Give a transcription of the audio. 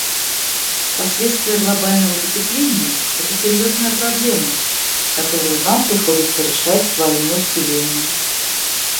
Последствия глобального потепления — это серьезная проблема, которую нам приходится решать своими усилиями.